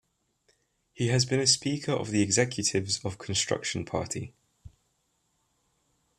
He has been speaker of the Executives of Construction Party.